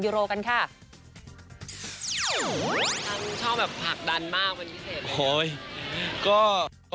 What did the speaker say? ยูโรกันค่ะช่องแบบผลักดันมากมันพิเศษเลยโอ้ยก็ก็